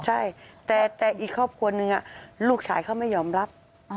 ใช่แต่อีกครอบครัวหนึ่งลูกชายเขาไม่ยอมรับ